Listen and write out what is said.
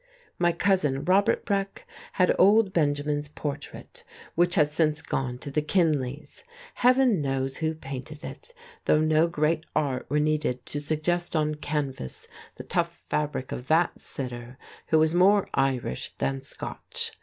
My cousin Robert Breck had old Benjamin's portrait, which has since gone to the Kinley's. Heaven knows who painted it, though no great art were needed to suggest on canvas the tough fabric of that sitter, who was more Irish than Scotch.